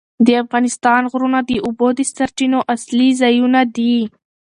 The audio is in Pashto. د افغانستان غرونه د اوبو د سرچینو اصلي ځایونه دي.